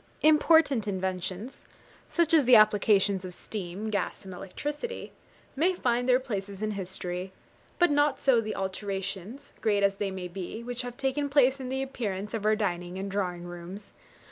Important inventions, such as the applications of steam, gas, and electricity, may find their places in history; but not so the alterations, great as they may be, which have taken place in the appearance of our dining and drawing rooms.